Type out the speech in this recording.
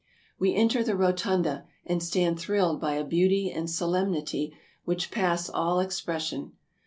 We enter the rotunda, and stand thrilled by a beauty and solemnity which pass all expression.